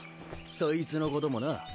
そいつのこともな